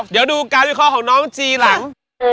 เดี๋ยวดูการวิเคราะห์ของน้องจีหลัง